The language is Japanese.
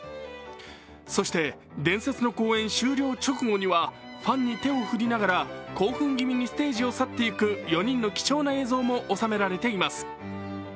そして伝説の公演終了直後にはファンに手を振りながら興奮気味にステージを去って行く４人の貴重な映像も収められています。